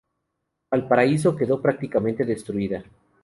Valparaíso quedó prácticamente destruida.